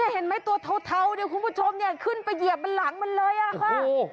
เห็นไหมตัวเทาคุณผู้ชมขึ้นไปเหยียบหลังมันเลยค่ะ